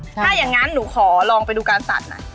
ถ้าอย่างนั้นหนูขอลองไปดูการสัดหน่อย